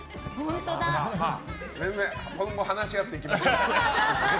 今後、話し合っていきましょう。